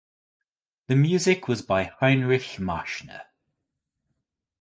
The music was by Heinrich Marschner.